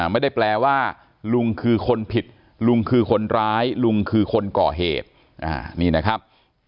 ไม่ได้แปลว่าลุงคือคนผิดลุงคือคนร้ายลุงคือคนก่อเหตุนี่นะครับ